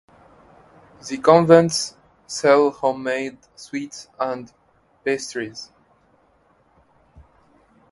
The convents sell homemade sweets and pastries.